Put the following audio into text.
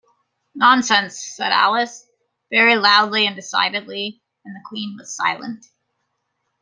‘Nonsense!’ said Alice, very loudly and decidedly, and the Queen was silent.